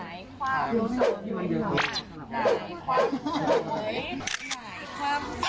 วันนี้เกี่ยวกับกองถ่ายเราจะมาอยู่กับว่าเขาเรียกว่าอะไรอ่ะนางแบบเหรอ